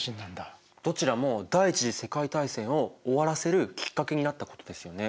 どちらも第一次世界大戦を終わらせるきっかけになったことですよね。